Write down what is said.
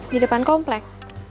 di depan komplek